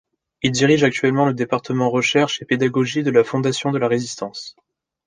Il dirige actuellement le département recherche et pédagogie de la Fondation de la résistance.